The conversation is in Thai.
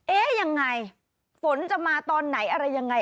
เอ๊ะยังไงฝนจะมาตอนไหนอะไรยังไง